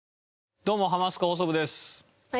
どうも『ハマスカ放送部』です。